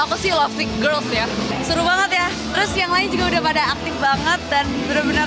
aku sih logic girld ya seru banget ya terus yang lain juga udah pada aktif banget dan bener bener